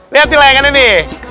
lihat di layangannya nih